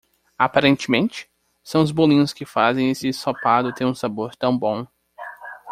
Aparentemente,? são os bolinhos que fazem esse ensopado ter um sabor tão bom.